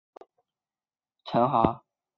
东西向横跨古杨吴城壕。